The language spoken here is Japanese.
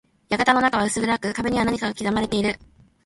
館の中は薄暗く、壁には何かが刻まれている。